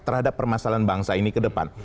terhadap permasalahan bangsa ini ke depan